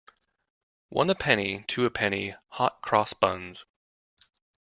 One a penny, two a penny, hot cross buns